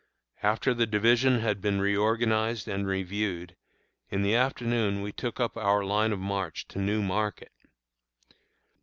After the division had been reorganized and reviewed, in the afternoon we took up our line of march to New Market.